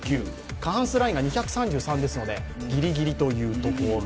過半数ラインが２３３ですのでギリギリというところ。